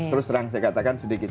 terus terang saya katakan sedikit